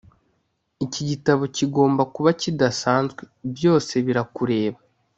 iki gitabo kigomba kuba kidasanzwe; byose birakureba.